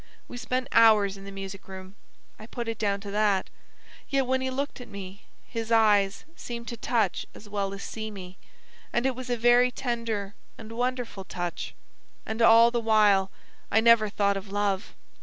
We spent hours in the music room. I put it down to that; yet when he looked at me his eyes seemed to touch as well as see me, and it was a very tender and wonderful touch. And all the while I never thought of love.